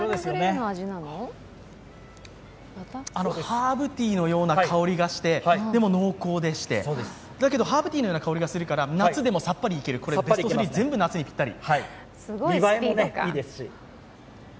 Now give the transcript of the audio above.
ハーブティーのような香りがして、でも濃厚でして、だけどハーブティーのような香りがするから夏でもさっぱりいける今年の夏にぴったり。